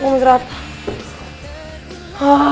gue mau istirahat